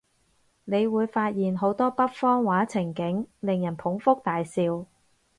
你會發現好多北方話情景，令人捧腹大笑